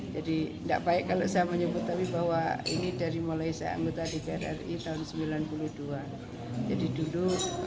jadi enggak baik kalau saya menyebut tapi bahwa ini dari mulai saya anggota di prri tahun sembilan puluh dua jadi duduk